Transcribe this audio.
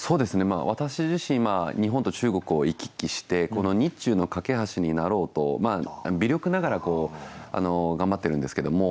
私自身日本と中国を行き来してこの日中の懸け橋になろうと微力ながら頑張ってるんですけども。